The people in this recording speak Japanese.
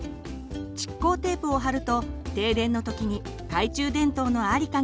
蓄光テープを貼ると停電の時に懐中電灯の在りかが分かりますね。